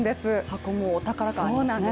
箱もお宝感がありますね。